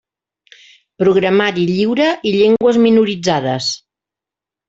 Programari lliure i llengües minoritzades.